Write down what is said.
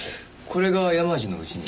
これが山路の家に。